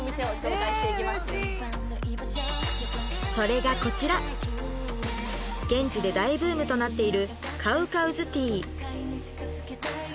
嬉しいそれがこちら現地で大ブームとなっているＣＯＷＣＯＷ’ＳＴＥＡ